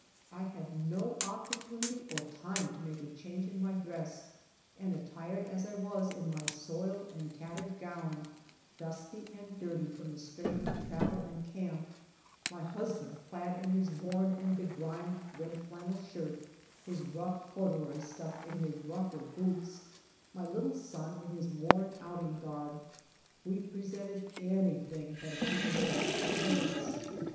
I had no opportunity or time to make a change in my dress, and attired as I was in my soiled and tattered gown, dusty and dirty from the strain of travel and camp; my husband clad in his worn and begrimed red flannel shirt, his rough cor duroys stuffed in his rougher boots; my little son in his worn outing garb, we presented anything but a prepossessing appearance.